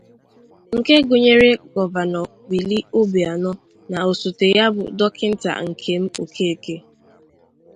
nke gụnyere gọvanọ Willie Obianọ na osote ya bụ Dọkịnta Nkem Okeke